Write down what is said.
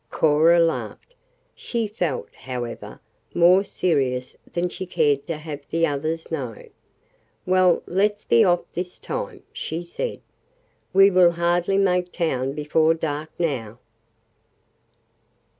Cora laughed. She felt, however, more serious than she cared to have the others know. "Well, let's be off this time," she said. "We will hardly make town before dark now."